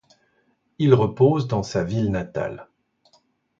Il repose dans sa ville natale.